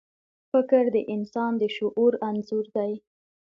فکر د انسان د شعور انځور دی.